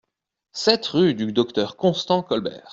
sept rue du Docteur Constant Colbert